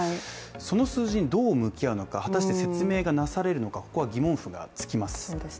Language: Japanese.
その数字にどう向き合うのか果たして説明がなされるのかここは疑問符がつきます。